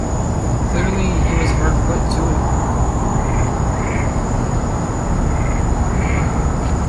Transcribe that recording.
Clearly he was hard put to it.